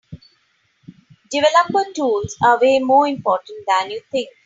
Developer Tools are way more important than you think.